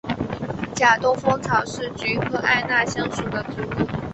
假东风草是菊科艾纳香属的植物。